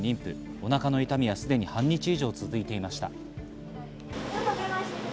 お腹の痛みはすでに半日以上続いていました。